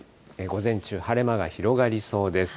午前中、晴れ間が広がりそうです。